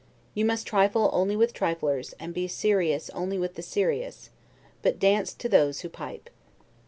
You must trifle only with triflers; and be serious only with the serious, but dance to those who pipe.